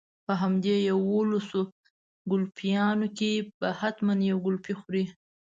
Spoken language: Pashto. په همدې يوولسو ګلپيانو کې به حتما يوه ګلپۍ خورې.